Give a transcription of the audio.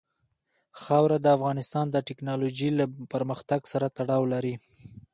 خاوره د افغانستان د تکنالوژۍ له پرمختګ سره تړاو لري.